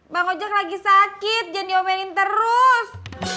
bang ojak lagi sakit jangan diomelin terus